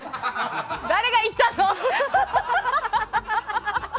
誰が言ったの！